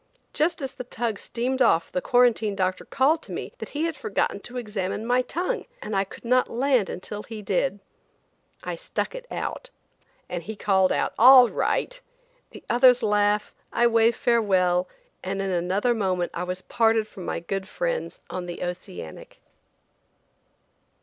Just as the tug steamed off the quarantine doctor called to me that he had forgotten to examine my tongue, and I could not land until he did. I stuck it out, he called out "all right;" the others laugh, I wave farewell, and in another moment I was parted from my good friends on the Oceanic.